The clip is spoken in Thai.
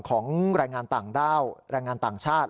แรงงานต่างด้าวแรงงานต่างชาติ